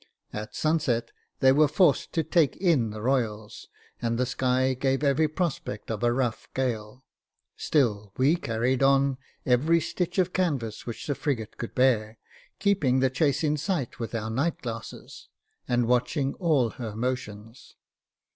At sunset they were forced to take in the royals, and the sky gave every prospect of a rough gale. Still we carried on every stitch of canvas which the frigate could bear j keeping the chase in sight with our night glasses, and watching all her motions.